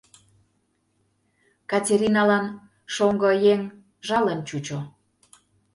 Катериналан шоҥго еҥ жалын чучо.